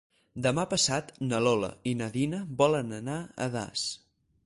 Demà passat na Lola i na Nina volen anar a Das.